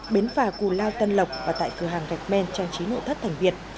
bến phà cù lao tân lộc và tại cửa hàng gạch men trang trí nội thất thành việt